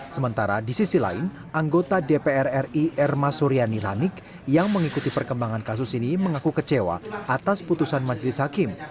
sementara di sisi lain anggota dpr ri erma suryani ranik yang mengikuti perkembangan kasus ini mengaku kecewa atas putusan majelis hakim